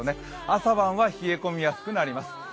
朝晩は冷え込みやすくなります。